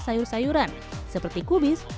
sayur sayuran seperti kubis